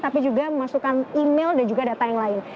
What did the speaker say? tapi juga memasukkan email dan juga data yang lain